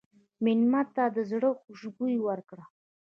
مېلمه ته د زړه خوشبويي ورکړه.